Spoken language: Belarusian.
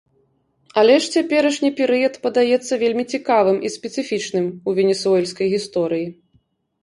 Але ж цяперашні перыяд падаецца вельмі цікавым і спецыфічным у венесуэльскай гісторыі.